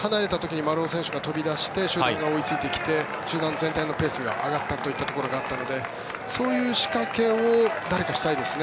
先ほども離れた時に丸尾選手が飛び出して集団が追いついてきて集団全体のペースが上がったというところがあったのでそういう仕掛けを誰かしたいですね。